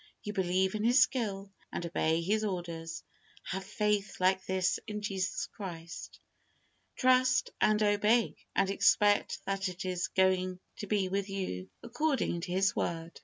You believe in his skill, and obey his orders. Have faith like this in Jesus Christ. Trust and obey, and expect that it is going to be with you according to His Word.